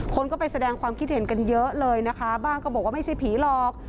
คนก็ไปแสดงความคิดเห็นกันเยอะเลยนะคะบ้างก็บอกว่าไม่ใช่ผีหรอก